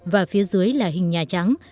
và phía dưới là hình nhà trắng